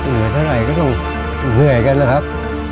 เหนื่อยเท่าไหร่ก็ต้องเหนื่อยกันนะครับ